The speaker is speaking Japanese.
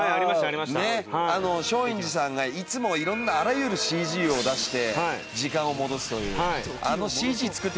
松陰寺さんがいつも色んなあらゆるＣＧを出して時間を戻すという。